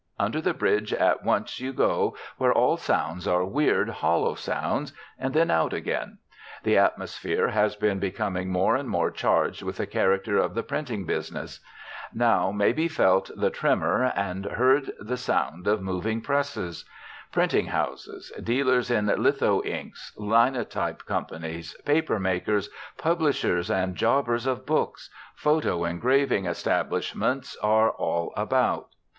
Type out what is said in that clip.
Under the Bridge at once you go, where all sounds are weird, hollow sounds, and then out again. The atmosphere has been becoming more and more charged with the character of the printing business. Now may be felt the tremour and heard the sound of moving presses. Printing houses, dealers in "litho inks," linotype companies, paper makers, "publishers and jobbers of books," "photo engraving" establishments are all about.